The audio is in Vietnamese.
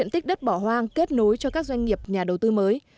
diện tích đất bỏ hoang kết nối cho các doanh nghiệp nhà đầu tư mới